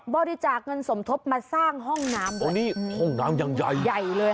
บริจาคณ์สมทบมาสร้างห้องน้ำตรงนี้ห้องน้ำยังใหญ่